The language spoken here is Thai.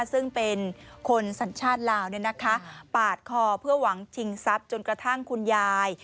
ซึ่งเป็นคนสัญชาติลาวปาดคอเพื่อหวังชิงทรัพย์จนกระทั่งคุณยาย